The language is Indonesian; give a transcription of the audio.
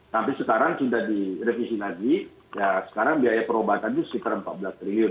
tapi sekarang sudah direvisi lagi ya sekarang biaya pengobatan itu sekitar rp empat belas triliun